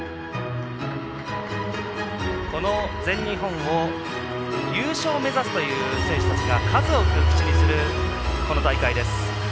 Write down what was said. この全日本は優勝を目指すという選手たちが数多く口にする、この大会です。